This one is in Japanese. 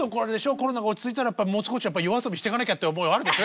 コロナが落ち着いたらもう少しやっぱ夜遊びしてかなきゃって思いはあるでしょ